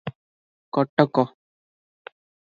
Cuttack.